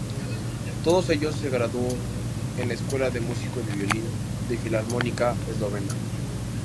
Todos ellos se graduó de la Escuela de Música de Violín de Filarmónica Eslovena.